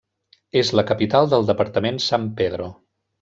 És la capital del departament San Pedro.